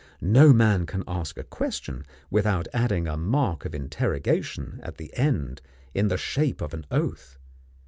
No man can ask a question without adding a mark of interrogation at the end in the shape of an oath.